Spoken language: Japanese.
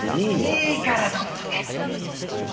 いいからとっとけ。